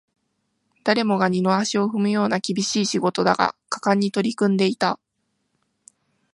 誰もが二の足を踏むような厳しい仕事だが、果敢に取り組んでいた